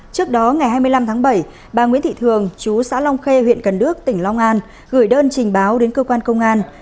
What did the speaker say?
trước đó ngày hai mươi năm tháng bảy bà nguyễn thị thường chú xã long khê huyện cần đước tỉnh long an gửi đơn trình báo đến cơ quan công an